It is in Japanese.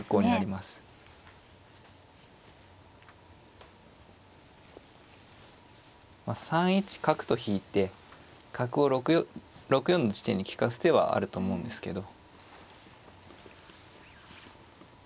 まあ３一角と引いて角を６四の地点に利かす手はあると思うんですけど。